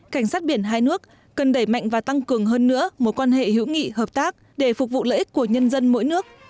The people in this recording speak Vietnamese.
cảnh sát biển hai nước cần đẩy mạnh và tăng cường hơn nữa mối quan hệ hữu nghị hợp tác để phục vụ lợi ích của nhân dân mỗi nước